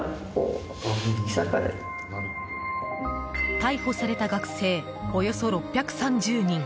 逮捕された学生およそ６３０人。